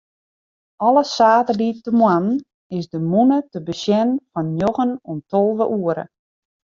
Alle saterdeitemoarnen is de mûne te besjen fan njoggen oant tolve oere.